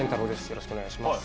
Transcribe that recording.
よろしくお願いします。